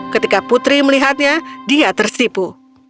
ketika putri melihatnya dia tersipu